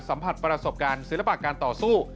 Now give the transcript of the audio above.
ผัดประสบการณ์ศิลปะการต่อสู้